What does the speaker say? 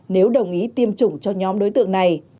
nếu đồng ý tiêm chủng cho nhóm đối tượng này